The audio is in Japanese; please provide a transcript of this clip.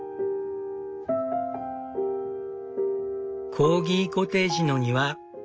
コーギコテージの庭。